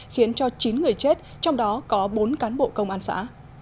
khiến cho chín người chết trong đó có bốn cán bộ công an xã